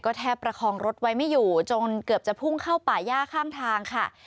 แทบประคองรถไว้ไม่อยู่จนเกือบจะพุ่งเข้าป่าย่าข้างทางค่ะ